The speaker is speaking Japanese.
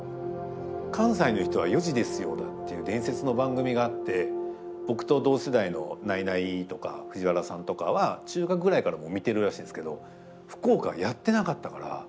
関西の人は「４時ですよだ」っていう伝説の番組があって僕と同世代のナイナイとかＦＵＪＩＷＡＲＡさんとかは中学ぐらいからもう見てるらしいんですけど福岡はやってなかったから。